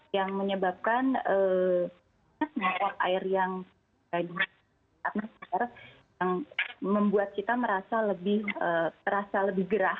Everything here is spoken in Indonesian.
yang menyebabkan menguap air yang terasa lebih gerah